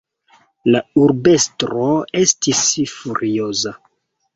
La urbestro estis furioza.